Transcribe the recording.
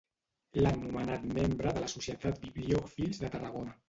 L'han nomenat membre de la societat Bibliòfils de Tarragona.